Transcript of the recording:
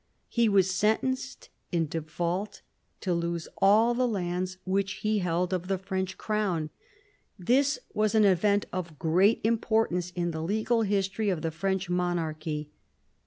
He was sentenced, in default, to lose all the lands which he held of the French crown. This was an event of great importance in the legal history of the French monarchy.